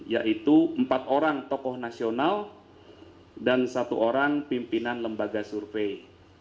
yaitu empat orang tokoh nasional dan satu orang pimpinan lembaga survei